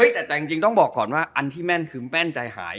แต่จริงต้องบอกก่อนว่าอันที่แม่นคือแม่นใจหาย